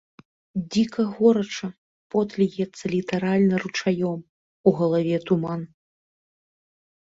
Дзіка горача, пот льецца літаральна ручаём, у галаве туман.